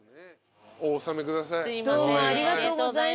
お納めください。